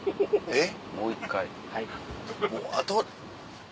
えっ？